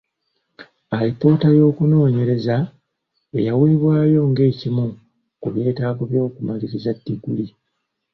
Alipoota y’okunoonyereza eyaweebwayo ng’ekimu ku byetaago by’okumaliriza ddiguli.